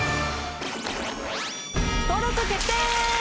登録決定！